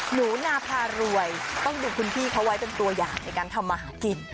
หนูนาพารวยต้องดูคุณพี่เขาไว้เป็นตัวอย่างในการทำมาหากิน